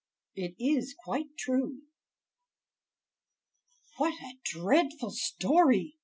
It Is Quite True "What a dreadful story!"